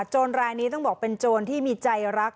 รายนี้ต้องบอกเป็นโจรที่มีใจรัก